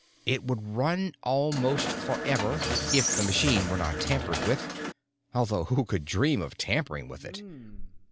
It would run almost forever, if the machine were not tampered with although who could dream of tampering with it?